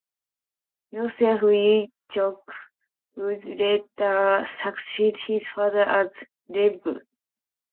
Yosef Yitzchok would later succeed his father as Rebbe.